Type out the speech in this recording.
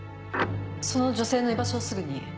その女性の居場所をすぐに。